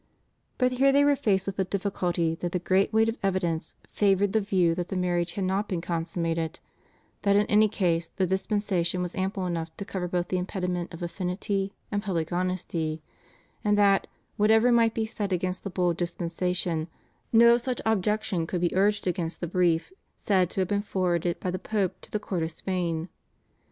But here they were faced with the difficulty that the great weight of evidence favoured the view that the marriage had not been consummated; that in any case the dispensation was ample enough to cover both the impediment of affinity and public honesty; and that, whatever might be said against the Bull of dispensation, no such objection could be urged against the brief said to have been forwarded by the Pope to the court of Spain.